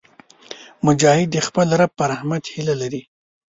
مجاهد د خپل رب په رحمت هیله لري.